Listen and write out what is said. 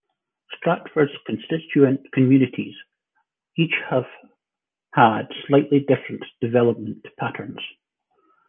Stratford's constituent communities each have had slightly different development patterns.